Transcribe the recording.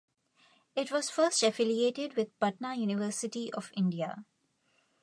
It was first affiliated with Patna University of India.